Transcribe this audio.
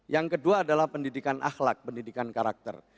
yang kedua adalah pendidikan akhlak pendidikan karakter